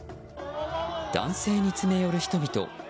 男性に詰め寄る人々。